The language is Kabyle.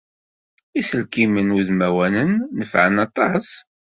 Iselkimen udmawanen nefɛen aṭas.